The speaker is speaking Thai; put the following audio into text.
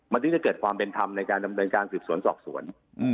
มันถึงจะเกิดความเป็นธรรมในการดำเนินการสืบสวนสอบสวน